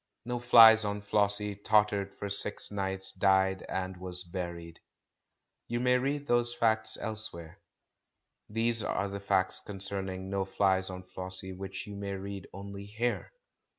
No Flies on Flossie tottered for six nights, died, and was buried. You may read those facts elsewhere. These are facts concerning No Flies on Flossie which you may read only here.